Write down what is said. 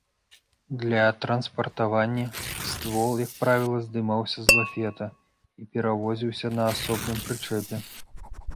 Для транспартавання ствол, як правіла, здымаўся з лафета і перавозіўся на асобным прычэпе.